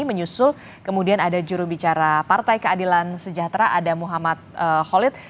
menyusul kemudian ada jurubicara partai keadilan sejahtera ada muhammad khalid